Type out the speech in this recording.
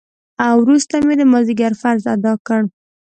وروسته مې د مازديګر فرض ادا کړ.